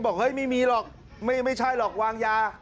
เฮ้ยไม่มีหรอกไม่ใช่หรอกวางยา